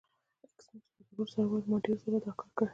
ایس میکس په غرور سره وویل چې ما ډیر ځله دا کار کړی